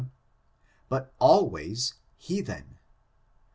but always hea then.